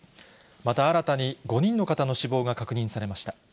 また新たに５人の方の死亡が確認されました。